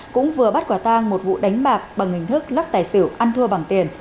cũng vừa bắt quả tăng một vụ đánh bạc bằng hình thức lắc tài xử ăn thua bằng tiền